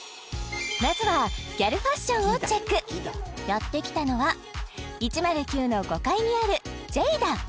まずはギャルファッションをチェックやって来たのは１０９の５階にあるＧＹＤＡ